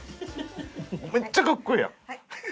めっちゃかっこええやん！